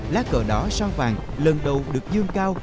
lá cờ đỏ sao vàng lần đầu được dương cao